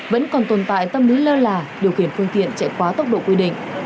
vẫn còn tồn tại tâm lý lơ là điều khiển phương tiện chạy quá tốc độ quy định